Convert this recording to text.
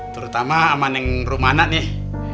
terutama aman yang rumah anak nih